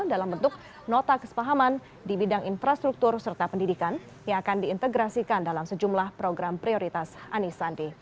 dalam bentuk nota kesepahaman di bidang infrastruktur serta pendidikan yang akan diintegrasikan dalam sejumlah program prioritas anisandi